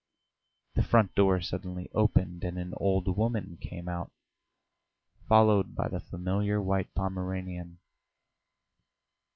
The front door suddenly opened, and an old woman came out, followed by the familiar white Pomeranian.